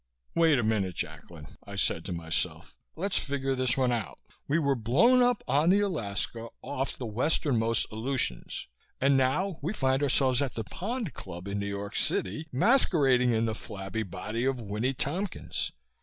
Wait a minute, Jacklin, I said to myself. Let's figure this one out. We were blown up on the Alaska, off the westernmost Aleutians, and now we find ourselves at the Pond Club, in New York City, masquerading in the flabby body of Winnie Tompkins.